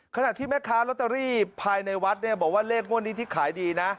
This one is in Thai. ขณะที่แม่ค้าลอตเตอรี่ภายในวัดเนี่ยบอกว่าเลขงวดนี้ที่ขายดีนะ